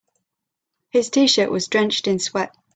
His t-shirt was drenched in sweat.